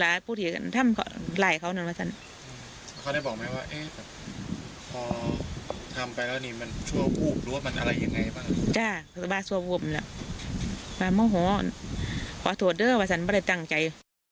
จ้าบาดชั่วโภคมันแหละมันโม้โหพอโทษด้วยว่าฉันไม่ได้ตั้งใจ